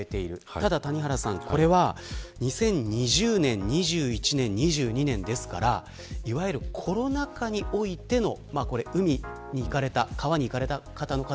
ただこれは２０２０年、２０２１年２０２２年ですからいわゆるコロナ禍においての海や川に行かれた人の数。